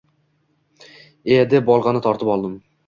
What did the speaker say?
E, deb bolg‘ani tortib oldim.